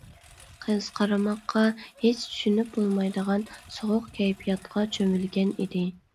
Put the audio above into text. قىز قارىماققا ھېچ چۈشىنىپ بولمايدىغان سوغۇق كەيپىياتقا چۆمۈلگەن ئىدى.